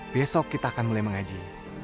besok kita akan mulai mengaji